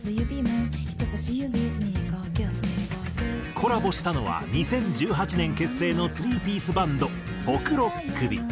コラボしたのは２０１８年結成の３ピースバンド黒子首。